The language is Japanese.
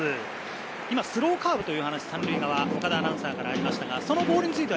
スローカーブという話が岡田アナウンサーからありました。